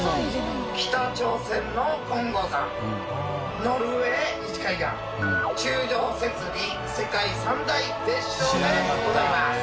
北朝鮮の金剛山ノルウェー西海岸柱状節理世界三大絶勝でございます。